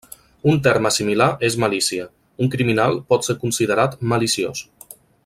Un terme similar és malícia; un criminal pot ser considerat maliciós.